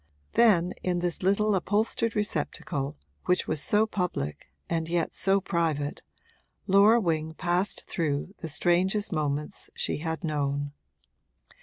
Then, in this little upholstered receptacle which was so public and yet so private, Laura Wing passed through the strangest moments she had known.